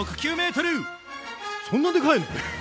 そんなでかいの？